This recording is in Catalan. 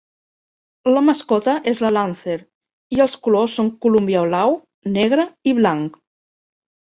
La mascota és la Lancer i els colors són Columbia blau, negre i blanc.